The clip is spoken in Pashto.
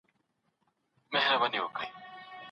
ښځه په اسلام کي یو مکرم او محترم ذات ګڼل سوی دی